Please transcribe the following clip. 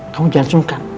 kamu jangan sungkan